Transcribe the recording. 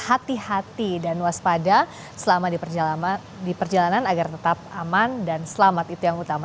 hati hati dan waspada selama di perjalanan agar tetap aman dan selamat itu yang utama